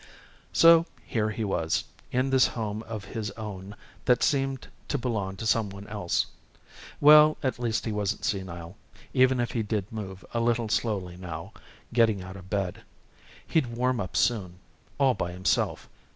So here he was, in this home of his own that seemed to belong to someone else. Well, at least he wasn't senile, even if he did move a little slowly, now, getting out of bed. He'd warm up soon. All by himself.